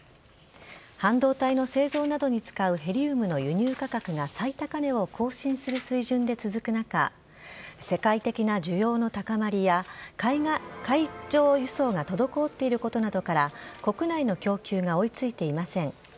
半導体の製造などに使うヘリウムの輸入価格が最高値を更新する水準で続く中、世界的な需要の高まりや、海上輸送が滞っていることなどから、国内の供給が追いついていません。